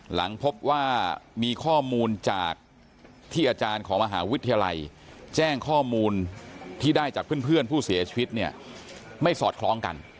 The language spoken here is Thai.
หลังพบว่ามีข้อมูลจากที่อาจารย์ของมหาวิทยาลัยแจ้งข้อมูลที่ได้จากเพื่อนผู้เสียชีวิตเนี่ยไม่สอดคล้องกัน